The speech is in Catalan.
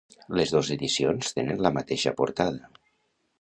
Les dos edicions tenen la mateixa portada.